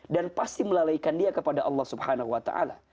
dan pasti melalaikan dia kepada allah swt